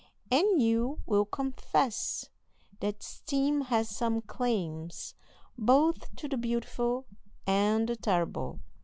and you will confess that steam has some claims both to the beautiful and the terrible!